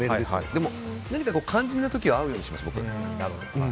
でも何か肝心な時は会うようにします、僕。